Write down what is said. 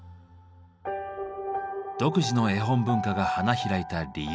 独自の絵本文化が花開いた理由。